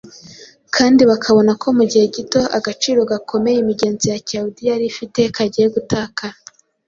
kandi bakabona ko mu gihe gito agaciro gakomeye imigenzo ya kiyahudi yari ifite kagiye gutakara